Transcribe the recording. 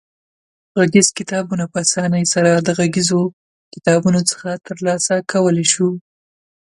غږیز کتابونه په اسانۍ سره د غږیزو کتابتونونو څخه ترلاسه کولای شو.